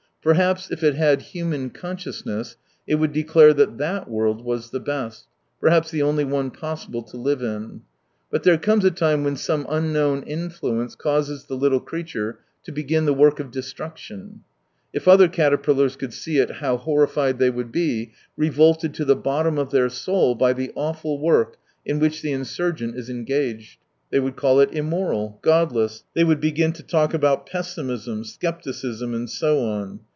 Perhaps if it had human consciousness it would declare that that world was the best, perhaps the only one possible to live in. But there comes a time when some unknown influence causes the little creature to begin the work of destruc tion. If other caterpillars could see it how horrified they would be, revolted to the bottom of their soul by the awful work in which the insurgent is engaged. They would call it immoral,; godless, they would begin to talk about pessimism', scepticism, and so on.